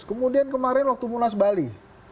kemudian kemarin waktu munas bali